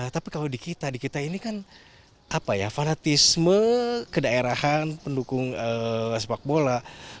tapi kalau di kita di kita ini kan apa ya fanatisme kedaerahan pendukung sepak bola